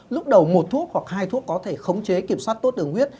lúc đầu một thuốc hoặc hai thuốc có thể khống chế kiểm soát tốt đường huyết